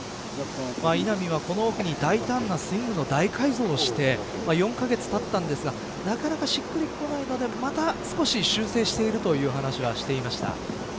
稲見はこの大胆なスイングの大改造をして４カ月たったんですがなかなかしっくりこないのでまた少し修正しているという話はしていました。